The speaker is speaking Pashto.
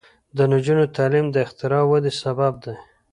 د نجونو تعلیم د اختراع ودې سبب دی.